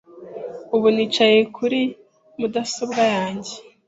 Ubu nicaye kuri mudasobwa yanjye .